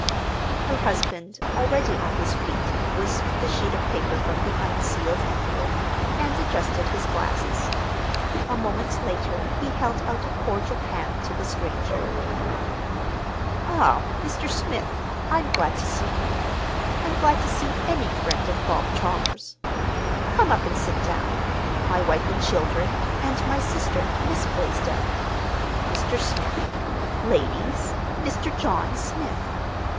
Her husband, already on his feet, whisked the sheet of paper from the unsealed envelope, and adjusted his glasses. A moment later he held out a cordial hand to the stranger. "Ah, Mr. Smith, I'm glad to see you. I'm glad to see any friend of Bob Chalmers'. Come up and sit down. My wife and children, and my sister, Miss Blaisdell. Mr. Smith, ladies—Mr. John Smith."